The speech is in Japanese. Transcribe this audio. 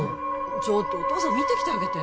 ちょっとお父さん見てきてあげて・